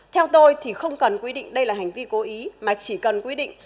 theo tôi thì không cần quy định đây là hành vi cố ý mà chỉ cần quy định